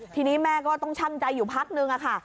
ทีนี้แม่ก็ต้องชั่งใจอยู่พักนึงค่ะ